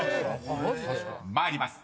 ［参ります。